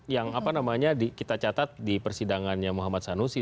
yang kita catat di persidangannya muhammad sanusi